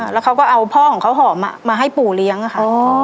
แล้วเขาก็เอาพ่อของเขาหอมมาให้ปู่เลี้ยงค่ะ